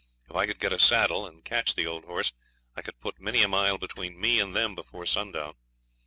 If I could get a saddle and catch the old horse I could put many a mile between me and them before sundown.